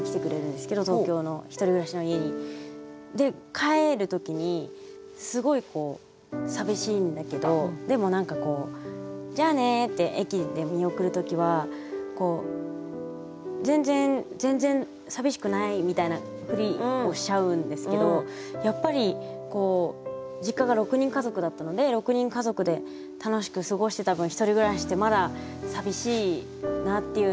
帰る時にすごいこう寂しいんだけどでも何かこう「じゃあね」って駅で見送る時は全然全然寂しくないみたいなふりをしちゃうんですけどやっぱり実家が６人家族だったので６人家族で楽しく過ごしてた分１人暮らしってまだ寂しいなっていうのを。